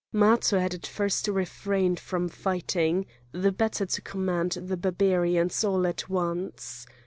Matho had at first refrained from fighting, the better to command the Barbarians all at once.